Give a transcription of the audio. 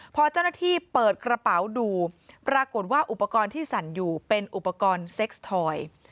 พอเจ้าหน้าที่เปิดกระเป๋าดูปรากฏว่าอุปกรณ์ที่สั่นอยู่เป็นอุปกรณ์เซ็กส์ทอย